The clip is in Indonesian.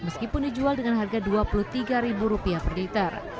dikumpulkan dengan harga rp dua puluh tiga per liter